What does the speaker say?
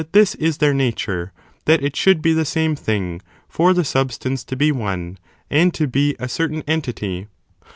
73 is their nature that it should be the same thing for the substance to be one, and to be a certain entity.